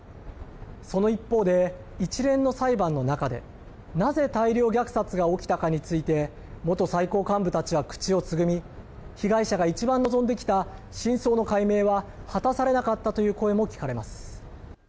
その一方で、一連の裁判の中でなぜ大量虐殺が起きたかについて元最高幹部たちは口をつぐみ被害者が一番望んできた真相の解明は果たされなかったという声も聞かれます。